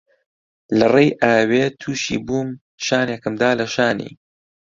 لە ڕێی ئاوێ تووشی بووم شانێکم دا لە شانی